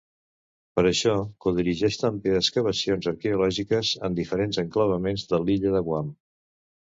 Per a això, codirigeix també excavacions arqueològiques en diferents enclavaments de l'illa de Guam.